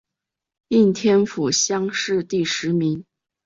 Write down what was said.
应天府乡试第十名。